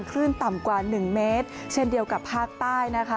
คลื่นต่ำกว่า๑เมตรเช่นเดียวกับภาคใต้นะคะ